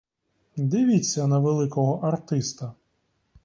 Дивіться на великого артиста.